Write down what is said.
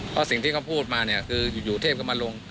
เพราะสิ่งที่เขาพูดมาเนี่ยคืออยู่เทพก็มาลง